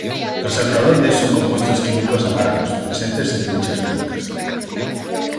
Los alcaloides son compuestos químicos amargos, presentes en muchas plantas medicinales.